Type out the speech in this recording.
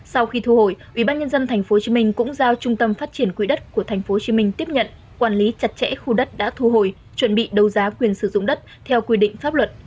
sau khi thu hồi ubnd tp hcm cũng giao trung tâm phát triển quỹ đất của tp hcm tiếp nhận quản lý chặt chẽ khu đất đã thu hồi chuẩn bị đấu giá quyền sử dụng đất theo quy định pháp luật